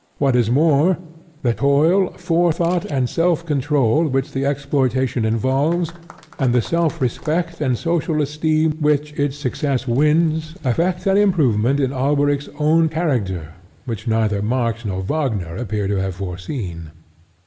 What is more, the toil, forethought and self control which the exploitation involves, and the self respect and social esteem which its success wins, effect an improvement in Alberic's own character which neither Marx nor Wagner appear to have foreseen.